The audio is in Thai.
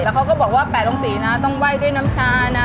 เขาก็บอกว่า๘ลงสีนะต้องไหว้ด้วยน้ำชานะ